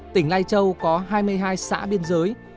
tỉnh lai châu có hai mươi hai xã biên giới